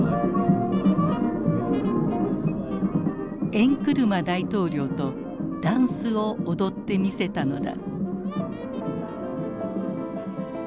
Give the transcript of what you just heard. エンクルマ大統領とダンスを踊ってみせたのだ。